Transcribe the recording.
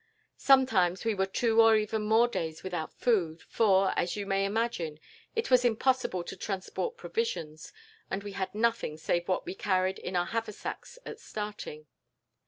Sometimes we were two or even more days without food, for, as you may imagine, it was impossible to transport provisions, and we had nothing save what we carried in our haversacks at starting.